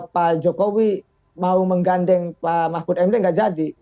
pak jokowi mau menggandeng pak mahfud md nggak jadi